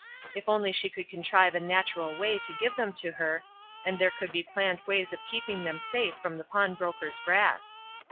If only she could contrive a natural way to give them to her, and there could be planned ways of keeping them safe from the pawnbroker's grasp.